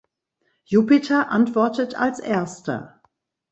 Jupiter antwortet als erster.